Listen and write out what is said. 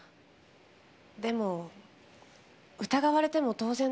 でも疑われても当然だから。